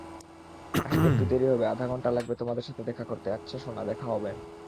আসতে একটু দেরী হবে আধাঘন্টা লাগবে তোমার সাথে দেখা করতে আচ্ছা সোনা দেখা হবে।